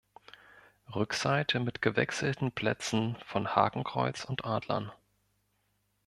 Rückseite mit gewechselten Plätzen von Hakenkreuz und Adlern.